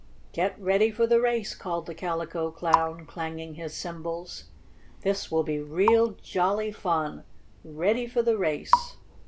"Get ready for the race!" called the Calico Clown, clanging his cymbals. "This will be real, jolly fun! Ready for the race!"